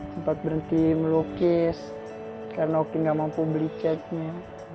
sempat berhenti melukis karena oki nggak mampu beli ceknya